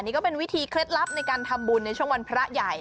นี่ก็เป็นวิธีเคล็ดลับในการทำบุญในช่วงวันพระใหญ่